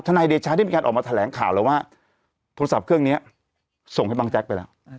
นายเดชาได้มีการออกมาแถลงข่าวแล้วว่าโทรศัพท์เครื่องนี้ส่งให้บังแจ๊กไปแล้ว